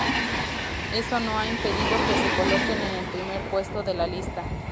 eso no ha impedido que se coloquen en el primer puesto de la lista